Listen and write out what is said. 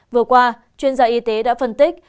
vừa qua chuyên gia y tế đã phân tích